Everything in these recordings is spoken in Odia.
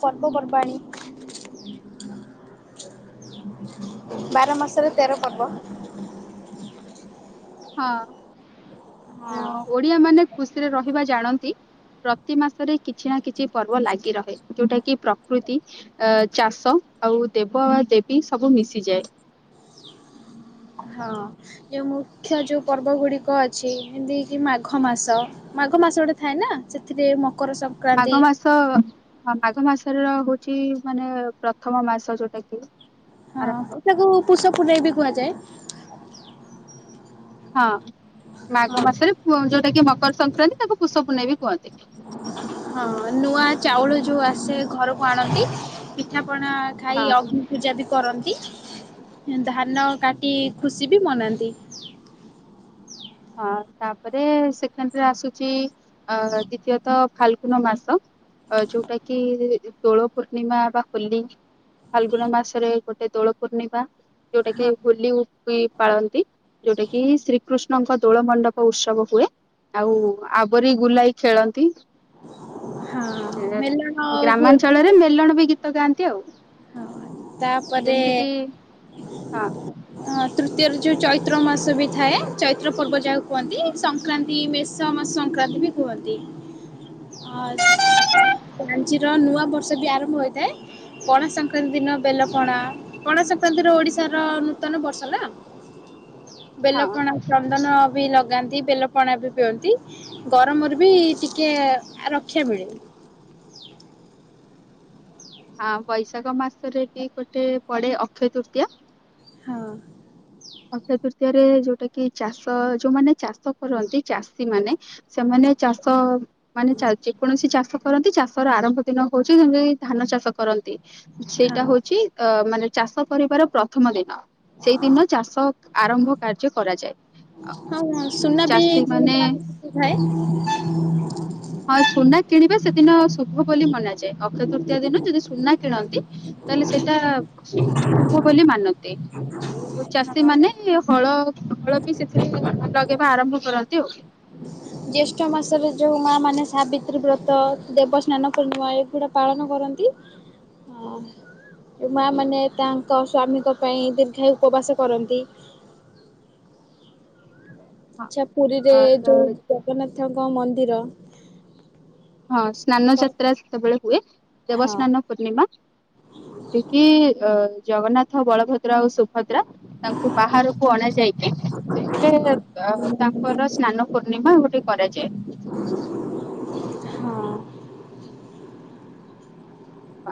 ପର୍ବ ପର୍ବାଣୀ ବାର ମାସରେ ତେର ପର୍ବ। ହଁ ହଁ ଓଡିଆ ମାନେ ଖୁସିରେ ରହିବା ଜାଣନ୍ତି। ପ୍ରତି ମାସରେ କିଛି ନା କିଛି ପର୍ବ ଲାଗି ରହେ ଯୋଉଟା କି ପ୍ରକୃତି ଅ ଚାଷ ଆଉ ଦେବ ବା ଦେବୀ ସବୁ ମିଶିଯାଏ। ହଁ ଯେଉଁ ମୁଖ୍ୟ ଯେଉଁ ପର୍ବ ଗୁଡ଼ିକ ଅଛି ଏମିତିକି ମାଘ ମାସ। ମାଘ ମାସ ଗୋଟେ ଥାଏନା ସେଥିରେ ମକର ସଂ ମାଘ ମାସ ହଁ ମାଘ ମାସରେ ହଉଚି ମାନେ ପ୍ରଥମ ମାସ ଯୋଉଟାକି ହଁ ଏଟାକୁ ପୁଷ ପୂନେଇବି କୁହାଯାଏ। ହଁ ମାଘ ହଁ ମାସରେ ଯୋଉଟାକି ମକର ସଂକ୍ରାନ୍ତି ତାକୁ ପୁଷ ପୁନେଇଁବି କୁହନ୍ତି। ହଁ ନୂଆ ଚାଉଳ ଯୋଉ ଆସେ ଘରକୁ ଆଣନ୍ତି ପିଠାପଣା ଖାଇ ହଁ। ଅ୍ ପୂଜାବି କରନ୍ତି ଧାନ କାଟି ଖୁସିବି ମନାନ୍ତି। ହଁ ତାପରେ ସେଖେଣ୍ଡରେ ଆସୁଛି ଅ ଦ୍ଵିତୀୟତଃ ଫାଲଗୁନ ମାସ ଅ ଯୋଉଟାକି ଦୋଳ ପୂର୍ଣ୍ଣିମା ବା ହୋଲିକି ଫାଲଗୁନା ମାସରେ ଗୋଟେ ଦୋଳ ପୂର୍ଣ୍ଣିମା ଯୋଉଟାକି ହଁ ହୋଲି ପାଳନ୍ତି ଯୋଉଟାକି ଶ୍ରୀକୃଷ୍ଣ ଙ୍କ ଦୋଳ ମଣ୍ଡପ ଉତ୍ସବ ହୁଏ ଆଉ ଆବରି ଗୁଲାଇ ଖେଳନ୍ତି। ହଁ ମେଲଣ ହୁଏ ବି ଗ୍ରାମାଞ୍ଚଳରେ ମେଲଣବି ଗୀତ ଗାଆନ୍ତି ଆଉ। ହଁ ତାପରେ ଯେମିତି କିି ହଁ ହଁ ତୃତୀୟରେ ଯୋଉ ଚୈତ୍ର ମାସବି ଥାଏ ଚୈତ୍ର ପର୍ବ ଯାହାକୁ କୁହନ୍ତି ସ ସଂକ୍ରାନ୍ତି ମେଷ ମ ସଂକ୍ରାନ୍ତିବି କୁହନ୍ତି। [inaudible] ଆ ପାଞ୍ଜିର ନୂଆ ବର୍ଷବି ଆରମ୍ଭ ହୋଇଥାଏ। ପଣ ସଂକ୍ରାନ୍ତି ଦିନ ବେଲପଣା ପଣା ସଂକ୍ରାନ୍ତିର ଓଡିଶାର ନୂତନ ବର୍ଷନା ହଁ ବେଲ ପଣା ଚନ୍ଦନବି ଲଗାନ୍ତି ବେଲ ପଣାବି ପିଅନ୍ତି। ଗରମରେବି ଟିକେ ରକ୍ଷା ମିଳେ। ହଁ ବୈଶାଖ ମାସରେବି ଗୋଟେ ପଡ଼େ ଅକ୍ଷୟ ତୃତୀୟା ହଁ [unintelligible] ଯରେ ଯେଉଁଟାକି ଚାଷ ଯେଉଁମାନେ ଚାଷ କରନ୍ତି ଚାଷୀମାନେ ସେମାନେ ଚାଷ ମାନେ ଚା ଯେକୌଣସି ଚାଷ କରନ୍ତି ଚାଷର ଆରମ୍ଭ ଦିନ ହଉଚି ଯେମିତି ଧାନ ଚାଷ କରନ୍ତି। ହଁ ସେଇଟା ହଉଚି ଅ ମାନେ ଚାଷ କରିବାର ପ୍ରଥମ ଦିନ ସେଇଦିନ ଚାଷ ଆରମ୍ଭ କାର୍ଯ୍ୟ କରାଯାଏ। ଆଉ ହଁ ସୁନାବି ଚାଷୀ ମାନେ [unintelligible] ଥାଏ। ହଁ ସୁନା କିଣିବା ସେଦିନ ଶୁଭ ବୋଲି ମନାଯାଏ ଅକ୍ଷୟ ତୃତୀୟା ଦିନ ଯଦି ସୁନା କିଣନ୍ତି ତାହେଲେ ସେଟା ଶୁଭ ବୋଲି ମାନନ୍ତି। ଆଉ ଚାଷୀ ମାନ ହଳ ହଳବି ସେଥିରେ ଲଗେଇବା ଆରମ୍ଭ କରନ୍ତି ଆଉ। ଜ୍ୟେଷ୍ଠ ମାସରେ ଯେଉଁ ମା ମାନ ସାବିତ୍ରୀ ବ୍ରତ ଦେବସ୍ନାନ ପୂର୍ଣ୍ଣିମା ଏଗୁଡ଼ା ପାଳନ କରନ୍ତି। [inaudible] ଏ ମା ମାନେ ତାଙ୍କ ସ୍ୱାମୀଙ୍କ ପାଇଁ ଦୀର୍ଘାୟୁ ଉପବାସ କରନ୍ତି। ଆଚ୍ଛା ପୁରୀରେ ହଁ ତ ଯୋଉ ଜଗନ୍ନାଥଙ୍କ ମନ୍ଦିର ହଁ ସ୍ନାନ ହଁ ଯାତ୍ରା ସେତେବେଳେ ହୁଏ ହଁ। ଦେବସ୍ନାନ ପୂର୍ଣ୍ଣିମା ସେଠି ଅ, ଜଗନ୍ନାଥ, ବଳଭଦ୍ରା, ଆଉ ସୁଭଦ୍ରା ତାଙ୍କୁ ବାହାରକୁ ଅଣାଯାଇ ସେଥିରେ ଅଁ ତାଙ୍କର ସ୍ନାନ ପୂର୍ଣ୍ଣିମା ଗୋଟେ କରାଯାଏ।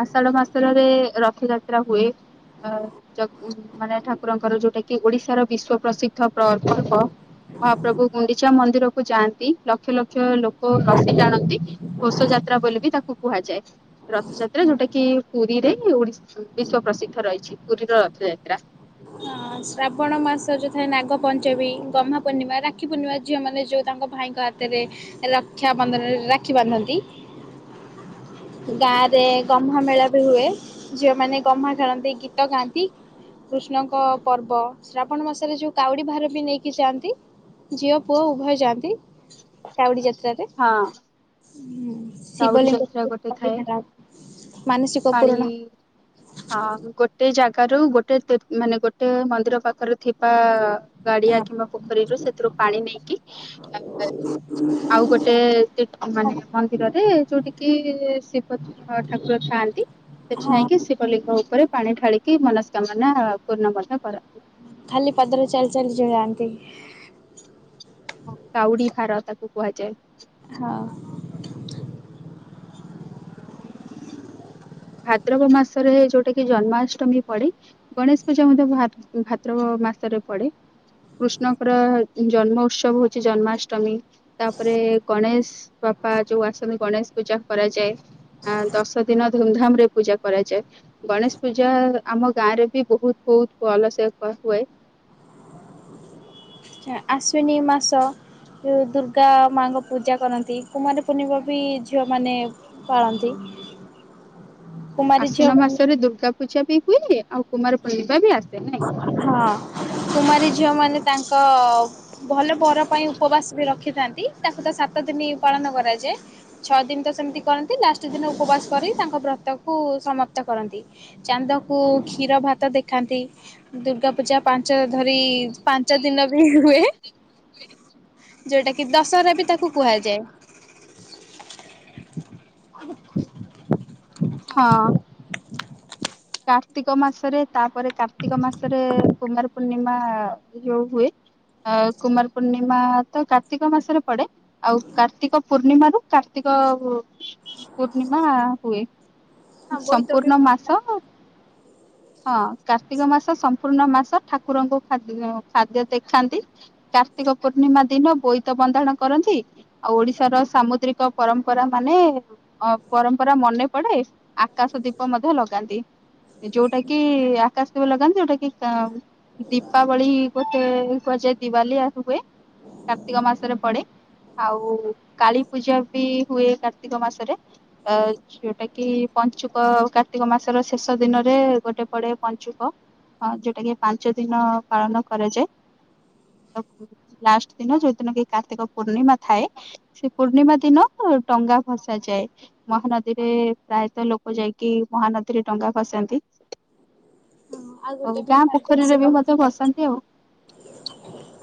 ଆଷାଢ ମାସରେ ରଥଯାତ୍ରା ହୁଏ ଅ ମାନେ ଠାକୁରଙ୍କର ଯୋଉଟାକି ଓଡିଶାର ବିଶ୍ଵ ପ୍ରସିଦ୍ଧ ପ୍ରକଳ୍ପ ମହାପ୍ରଭୁ ଗୁଣ୍ଡିଚା ମନ୍ଦିରକୁ ଯାଆନ୍ତି ଲକ୍ଷ ଲକ୍ଷ ଲୋକ ରସି ଟାଣନ୍ତି ନନ୍ଦିଘୋଷ ଯାତ୍ରା ବୋଲିକି ତାକୁ କୁହାଯାଏ। ରଥଯାତ୍ରା ଯୋଉଟାକି ପୁରୀରେ ଓଡ଼ି ବିଶ୍ ପ୍ରସିଦ୍ଧ ରହିଚି ପୁରୀର ରଥଯାତ୍ରା। ଶ୍ରାବଣ ମାସ ଯୋଉ ଥାଏ ନାଗ ପଞ୍ଚମୀ ଗହ୍ମା ପୂର୍ଣ୍ଣିମା ରାକ୍ଷୀ ପୂର୍ଣ୍ଣିମା ଝିଅ ମାନେ ଯୋଉ ତାଙ୍କ ଭାଇଙ୍କ। ରେ ରକ୍ଷା ବନ୍ଧନରେ ରାକ୍ଷୀ ବାନ୍ଧନ୍ତି। ଗାଁ ରେ ଗହ୍ମା ମେଳା ବି ହୁଏ ଝିଅମାନେ ଗହ୍ମା ଖେଳନ୍ତି ଗୀତ ଗାଆନ୍ତି। କୃଷ୍ଣଙ୍କ ପର୍ବ ଶ୍ରାବଣ ମାସରେ ଯୋଉ କାଉଡି ଭାର ବି ନେଇକି ଯାଆନ୍ତି। ଝିଅ ପୁଅ ଉଭୟ ଯାଆନ୍ତି କାଉଡି ଯାତ୍ରାରେ। ହଁ। ହୁଁ [inaudible] କାଉଡି ଯାତ୍ରା ଗୋଟେ ଥାଏ ମାନସିକ ପାଣି। ପୂରଣ ହଁ ଗୋଟେ ଜାଗାରୁ ଗୋଟେ ମାନେ ଗୋଟେ ମନ୍ଦିର ପାଖରେ ଥିବା। ଗାଡିଆ ହଁ କିମ୍ବା ପୋଖରୀରୁ ସେଥିରୁ ପାଣି ନେଇକି ଆ ଆଉ ଗୋଟେ। ଗୋଟେ ମାନେ ମନ୍ଦିରରେ ଯୋଉଠି କିି ଶିବ ଠାକୁର ଥାଆନ୍ତି। ସେଠି ହଁ ନେଇକି ଶିବଲିଙ୍ଗ ଉପରେ ପାଣି ଢାଳିକି ମନସ୍କାମନା ପୂର୍ଣ୍ଣ ମଧ୍ୟ କରନ୍ତି। ଖାଲି ପାଦରେ ଚାଲି ଚାଲି ଯୋ ଯାଆନ୍ତି। ହଁ କାଉଡି ଭାର ତାକୁ କୁହାଯାଏ। ହଁ। ଭାଦ୍ରବ ମାସରେ ଯୋଉଟା କି ଜନ୍ମାଷ୍ଟମୀ ପଡ଼େ। ଗଣେଶ ପୂଜା ମଧ୍ୟ ଭାଦ୍ରବ ମାସରେ ପଡେ। କୃଷ୍ଣଙ୍କର ଜନ୍ମ ଉତ୍ସବ ହଉଛି ଜନ୍ମାଷ୍ଟମୀ। ତାପରେ ଗଣେଶ ବାପା ଯୋଉ ଆସନ୍ତି ଗଣେଶ ପୂଜା କରାଯାଏ। ଆ ଦଶ ଦିନ ଧୁମଧାମ୍ ରେ ପୂଜା କରାଯାଏ। ଗଣେଶ ପୂଜା ଆମ ଗାଁ ରେ ବି ବହୁତ ବହୁତ ଭଲସେ ହୁଏ। ଆଶ୍ଵିନୀ ମାସ। ଯେଉଁ ଦୁର୍ଗା ମାଙ୍କ ପୂଜା କରନ୍ତି କୁମାରୀ ପୂର୍ଣ୍ଣିମା ବି ଝିଅମାନେ। ପାଳନ୍ତି। କୁମାରୀ ଆଶ୍ୱିନ ଝିଅମାନେ ମାସରେ ଦୁର୍ଗା ପୂଜା ବି ହୁଏ ଆଉ କୁମାର ପୂର୍ଣ୍ଣିମା ବି ଆସେ। ନାଇଁ। ହଁ କୁମାରୀ ଝିଅ ମାନେ ତାଙ୍କ। ଭଲ ବର ପାଇଁ ଉପବାସ ବି ରଖିଥାନ୍ତି ତାକୁ ତ ସାତ ଦିନ ପାଳନ କରାଯାଏ। ଛଅ ଦିନ ତ ସେମିତି କରନ୍ତି ଲାଷ୍ଟ ଦିନ ଉପବାସ କରି ତାଙ୍କ ବ୍ରତକୁ ସମାପ୍ତ କରନ୍ତି। ଚାନ୍ଦକୁ କ୍ଷୀର ଭାତ ଦେଖାନ୍ତି। ଦୁର୍ଗା ପୂଜା ପାଞ୍ଚ ଧରି ପାଞ୍ଚ ଦିନ ବି ହୁଏ। ଯୋଉଟା କି ଦଶହରା ବି ତାକୁ କୁହାଯାଏ। ହଁ। କାର୍ତ୍ତିକ ମାସରେ ତାପରେ କାର୍ତ୍ତିକ ମାସରେ କୁମାର ପୂର୍ଣ୍ଣିମା ଯୋଉ ହୁଏ। ଆ କୁମାର ପୂର୍ଣ୍ଣିମା ତ କାର୍ତ୍ତିକ ମାସରେ ପଡେ। ଆଉ କାର୍ତ୍ତିକ ପୂର୍ଣ୍ଣିମାରୁ କାର୍ତ୍ତିକ ପୂର୍ଣ୍ଣିମା ହୁଏ। ହଁ ବୋଇତ ବି ସମ୍ପୂର୍ଣ୍ଣ ପନ୍ଥା। ମାସ। ହଁ କାର୍ତ୍ତିକ ମାସ ସମ୍ପୂର୍ଣ୍ଣ ମାସ ଠାକୁରଙ୍କୁ ଖା ଖାଦ୍ୟ ଦେଖାନ୍ତି। କାର୍ତ୍ତିକ ପୂର୍ଣ୍ଣିମା ଦିନ ବୋଇତ ବନ୍ଦାଣ କରନ୍ତି। ଆଉ ଓଡିଶାର ସାମୁଦ୍ରିକ ପରମ୍ପରା ମାନେ ଅ ପରମ୍ପରା ମନେ ପଡେ। ଆକାଶ ଦୀପ ମଧ୍ୟ ଲଗାନ୍ତି ଯୋଉଟା କି ଆକାଶ ଦୀପ ଲଗାନ୍ତି ଯୋଉଟା କି ଙ୍କ। ଦୀପାବଳି ଗୋଟେ କୁହାଯାଏ ଦିିବାଲି [unintelligible] ହୁଏ କାର୍ତ୍ତିକ ମାସରେ ପଡେ। ଆଉ କାଳୀ ପୂଜା ବି ହୁଏ କାର୍ତ୍ତିକ ମାସରେ। ଆ ଯୋଉଟା କି। ପଞ୍ଚୁକ କାର୍ତ୍ତିକ ମାସର ଶେଷ ଦିନରେ ଗୋଟେ ପଡେ ପଞ୍ଚୁକ। ହଁ ଯୋଉଟା କି ପାଞ୍ଚ ଦିନ ପାଳନ କରାଯାଏ ତ। ଲାଷ୍ଟ ଦିନ ଯୋଉ ଦିନ କି କାର୍ତ୍ତିକ ପୂର୍ଣ୍ଣିମା ଥାଏ ସେ ପୂର୍ଣ୍ଣିମା ଦିନକୁ ଡଙ୍ଗା ଭସା ଯାଏ ମହାନଦୀରେ ପ୍ରାୟ ତ ଲୋକ ଯାଇକି ମହାନଦୀରେ ଡଙ୍ଗା ଫସାନ୍ତି ଆଉ ଗୋଟେ ବି ଗାଁ ପୋଖରୀରେ ମାର୍ଗଶିର ବି ମଧ୍ୟ ଭସାନ୍ତି ଆଉ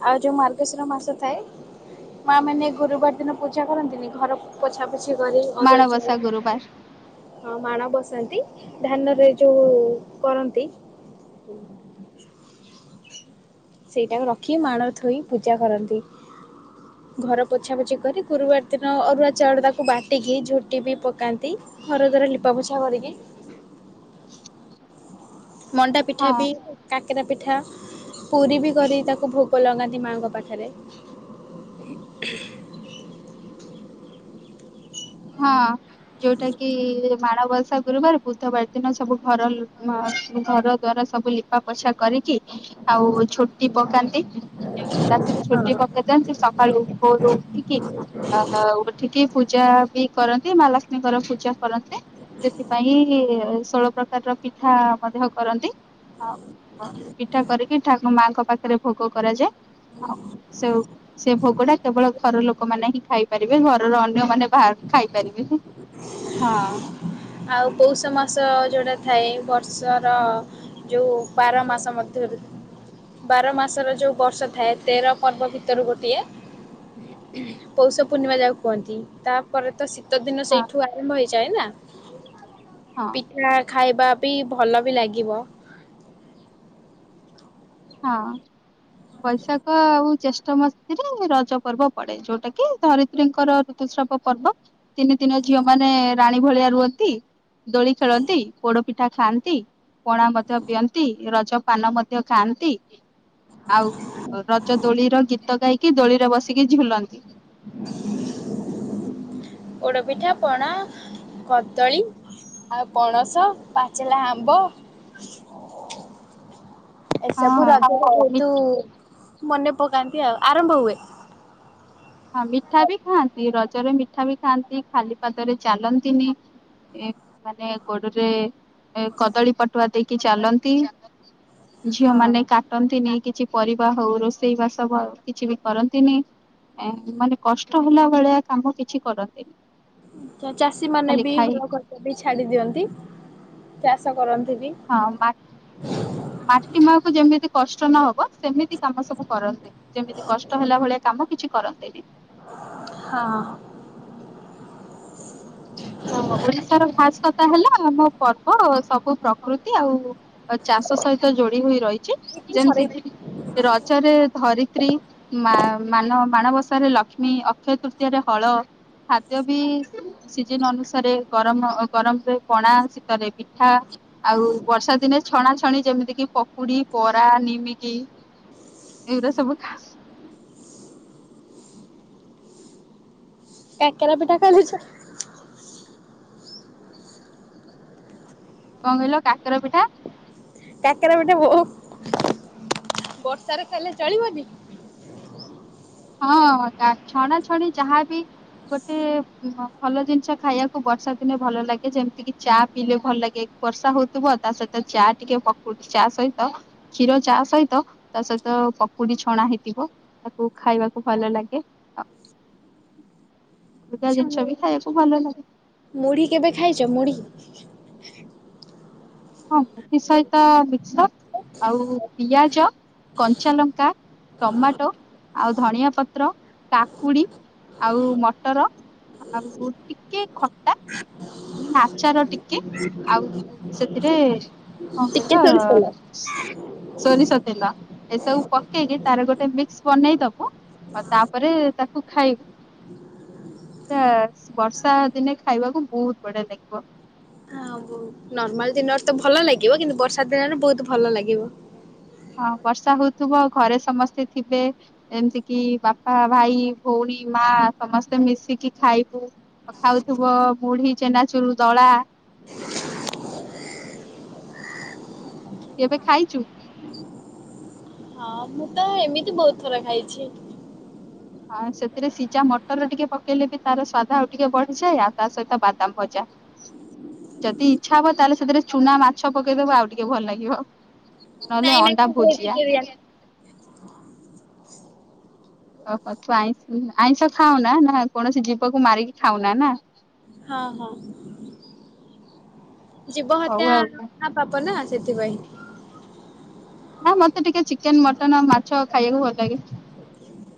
ଆଉ ଯୋଉ ମାର୍ଗଶିର ମାସ ଥାଏ ମା ମାନେ ଗୁରୁବାର ଦିନ ପୂଜା କରନ୍ତିନି ଘର ପୋଛା ପୋଛି କରି ଅରୁଆ ଚାଉଳ ମାଣବସା ଗୁରୁବାର ବାଟି ହଁ ମାଣ ବସାନ୍ତି ଧାନରେ ଯୋଉ କରନ୍ତି [inaudible] ସେଇଟାକୁ ରଖି ମାଣ ଥୋଇ ପୂଜା କରନ୍ତି। [inaudible] ଘର ପୋଛାପୋଛି କରି ଗୁରୁବାର ଦିନ ଅରୁଆ ଚାଉଳ ତାକୁ ବାଟିକି ଝୋଟି ବି ପକାନ୍ତି ଘର ଦ୍ବାର ଲିପାପୋଛା କରିକି। ମଣ୍ଡା ପିଠା ହଁ ବି କାକେରା ପିଠା ପୁରୀ ବି କରି ତାକୁ ଭୋଗ ଲଗାନ୍ତି ମାଆଙ୍କ ପାଖେରେ। ହଁ ଯୋଉଟା କି ମାଣବସା ଗୁରୁବାର ବୁଧବାର ଦିନ ସବୁ ଘର ଘର ଦ୍ଵାର ସବୁ ଲିପା ପୋଛା କରିକି ଆଉ ଝୋଟି ପକାନ୍ତି ରାତିରେ ଛୁଟି ପକେଇ ଦିଅନ୍ତି ସକାଳୁ ଉପଅରୁ ଉଠିକି ଆ ଉଠିକି ପୂଜା ବି କରନ୍ତି ମା ଲକ୍ଷ୍ମୀଙ୍କର ପୂଜା କରନ୍ତି। ସେଥିପାଇଁ ଷୋଳ ପ୍ରକାର ର ପିଠା ମଧ୍ୟ କରନ୍ତି, ଆଉ ପିଠା କରିକି ଠାକୁ ମାଙ୍କ ପାଖରେ ଭୋଗ କରାଯାଏ ଆଉ ସେଓ ସେ ଭୋଗ ଟା କେବଳ ଘର ଲୋକମାନେ ହିଁ ଖାଇପାରିବେ ଘରର ଅନ୍ୟ ମାନେ ବା ଖାଇପାରିବେନି। ହଁ ଆଉ ପୌଷ ମାସ ଯୋଉଟା ଥାଏ ବର୍ଷର ଯୋଉ ବାର ମାସ ମଧ୍ୟରୁ ବାର ମାସର ଯୋଉ ବର୍ଷ ଥାଏ ତେର ପର୍ବ ଭିତରୁ ଗୋଟିଏ ପୌଷ ପୂର୍ଣ୍ଣିମା ଯାହାକୁ କୁହନ୍ତି ତାପରେ ତ ଶୀତ ଦିନ ହଁ ସେଇଠୁ ଆରମ୍ଭ ହେଇଯାଏ ନା ହଁ ପିଠା ଖାଇବା ବି ଭଲ ବି ଲାଗିବ। ହଁ। ବୈଶାଖ ଆଉ ଜେଷ୍ଠ ମାସରେ ରଜ ପର୍ବ ପଡେ ଯୋଉଟା କି ଧରି ତ୍ରୀଙ୍କର ଋତୁସ୍ରାବ ପର୍ବ ତିନି ଦିନ ଝିଅ ମାନେ ରାଣୀ ଭଳିଆ ରୁହତି ଦୋଳି ଖେଳନ୍ତି, ପୋଡ ପିଠା ଖାଆନ୍ତି ପଣା ମଧ୍ୟ ପିଅନ୍ତି ରଜ ପାନ ମଧ୍ୟ ଖାନ୍ ତି ଆଉ ରଜ ଦୋଳିର ଗୀତ ଗାଇକି ଦୋଳିରେ ବସିକି ଝୁଲନ୍ତି। ପୋଡ଼ପିଠା ପଣା କଦଳୀ ଆଉ ପଣସ ପାଚେଲା ଆମ୍ବ [inaudible] ଏସବୁ ହଁ। ରଜରେ ମି ବହୁତୁ ମନେ ପକାନ୍ତି, ଆଉ ଆରମ୍ଭ ହୁଏ। ହଁ ମିଠା ବି ଖାଆନ୍ତି ରଜରେ ମିଠା ବି ଖାଆନ୍ତି ଖାଲି ପାଦରେ ଚାଲନ୍ତିନି। ଏ ମାନେ ଗୋଡରେ ଏ କଦଳୀ ପାଟୁଆ ଦେଇକି ଚାଲନ୍ତି। ଝିଅ ହଁ ମାନେ କାଟନ୍ତିନି କିଛି ପରିବା ହଉ ରୋଷେଇ ବାସ କିଛି ବି କରନ୍ତିନି। ମାନେ କଷ୍ଟ ହେଲା ଭଳିଆ କାମ କିଛି କରନ୍ତିନି। ଚାଷୀ ମାନେ ଖାଲି ବି ଖାଇ ହଳ [unintelligible] ଛାଡି ଦିଅନ୍ତି ଚାଷ କରନ୍ତି ବି। ହଁ ମାଟି ମାଆକୁ ଯେମିତି କଷ୍ଟ ନହବ ସେମିତି କାମ ସବୁ କରନ୍ତି। ଯେମିତି କଷ୍ଟ ହେଲା ଭଳିଆ କାମ କିଛି କରନ୍ତିନି। ହଁ। ହ ଓଡିଶାର ଭାସ କଥା ହେଲା ଆମ ପର୍ବ ସବୁ ପ୍ରକୃତି ଆଉ ଚାଷ ସହିତ ଯୋଡି ହୋଇ ରହିଛି ଯେମିତି ସରେଇ କି ରଜରେ ଧରିତ୍ରୀ ମା ମାନ ମାଣବସାରେ ଲକ୍ଷ୍ମୀ ଅକ୍ଷୟ ତୃତୀୟରେ ହଳ ଖାଦ୍ୟ ବି ଅନୁସାରେ ଗରମ ଗରମରେ ପଣା ଶୀତରେ ପିଠା ଆଉ ବର୍ଷା ଦିନେ ଛଣା ଛଣି ଯେମିତି କିି ପକୁଡି ପରା ନିମିକି ଏଇରା ସବୁ କାକେରା ପିଠା ଖାଲିଛ କଣ କହିଲ କାକର ପିଠା କାକରା ପିଠା ବହୁ ବର୍ଷାରେ ଖାଇଲେ ଚଳିବନି ହଁ କା ଛଣା ଛଣି ଯାହାବି ଗୋଟେ ଭଲ ଜିନିଷ ଖାଇବାକୁ ବର୍ଷା ଦିନେ ଭଲ ଲାଗେ ଯେମିତି କିି ଚା ପିଇଲେ ଭଲ ଲାଗେ। ବର୍ଷା ହଉଥିବ ତା ସହିତ ଚା ଟିକେ ପକଉଛି ଚା ସହିତ କ୍ଷୀର ଚା ସହିତ ତା ସହିତ ପକୁଡି ଛଣା ହେଇଥିବ ତାକୁ ଖାଇବାକୁ ଭଲ ଲାଗେ ଆ ଅଲଗା ଜିନିଷ ବି ଖାଇବା ଭଲ ଲାଗେ। ମୁଢ଼ି କେବେ ଖାଇଛ ମୁଢ଼ି? ହଁ ମୁଥି ସହିତ ମିକ୍ସର ଆଉ ପିଆଜ କଞ୍ଚା ଲଙ୍କା ଟମାଟୋ ଆଉ ଧନିଆ ପତ୍ର କାକୁଡି ଆଉ ମଟର ଆଉ ଟିକେ ଖଟା ମାନେ ଆଚାର ଟିକେ ଆଉ ସେଥିରେ କଣ ଟିକେ ସୋରିଷ ତେଲ। କହିଲ? ସୋରିଷ ତେଲ ଏସବୁ ପକେଇକି ତାର ଗୋଟେ ମିକ୍ସ ବନେଇ ଦବୁ ଆଉ ତାପରେ ତାକୁ ଖାଇବୁ। ଆ ବର୍ଷା ଦିନେ ଖାଇବାକୁ ବହୁତ ବଢିଆ ଲାଗିବ। ଆଉ ନର୍ମାଲ ଦିନରେ ତ ଭଲ ଲାଗିବ କିନ୍ତୁ ବର୍ଷା ଦିନରେ ବହୁତ ଭଲ ଲାଗିବ। ହଁ ବର୍ଷା ହଉଥିବ ଘରେ ସମସ୍ତେ ଥିବେ। ଏମିତି କିି ବାପା ଭାଇ ଭଉଣୀ ମା ସମସ୍ତେ ମିଶିକି ଖାଇବୁ। ଖାଉଥିବ ମୁଢି ଚେନାଚରୁ ଦଳା। କେବେ ଖାଇଛୁ? ହଁ ମୁଁ ତ ଏମିତି ବହୁତ ଥର ଖାଇଛି। ହଁ ସେଥିରେ ସିଝା ମଟର ଟିକେ ପକେଇଲେ ବି ତାର ସ୍ୱାଦ ଆଉ ଟିକେ ବଢିଯାଏ ଆଉ ତା ସହିତ ବାଦାମ ଭଜା। ହୁଁ ଯଦି ଇଚ୍ଛା ହବ ତାହେଲେ ସେଥିରେ ଚୁନା ମାଛ ପକେଇଦବ ଆଉ ଟିକେ ଭଲ ଲାଗିବ। ନହେଲେ ନାଇଁ ନାଇଁ ଅଣ୍ଡା ମୁଁ ଭୋଜିଆ। ଭେଜିଟେରିଆନ। ଓହୋ ତୁ ଆଇଁ ଆଇଁଷ ଖାଉନା ନା କୌଣସି ଜୀବକୁ ମାରିକି ଖାଉନା ନା ହଁ ହଁ। ଜୀବ ହଉ ହତ୍ୟା ଆଉ। ପାପ ନା ସେଥିପାଇଁ। ନା ମତେ ଟିକେ ଚିକେନ ମଟନ ମାଛ ଖାଇବାକୁ ଭଲ ଲାଗେ।